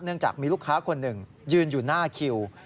จากมีลูกค้าคนหนึ่งยืนอยู่หน้าคิว